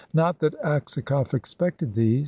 Not that Aksakoff expected these.